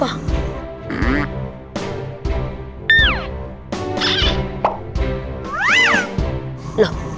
ini tuh ngeliat apa